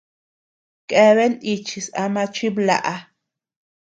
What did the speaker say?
Keaben nichis ama chiblaʼa.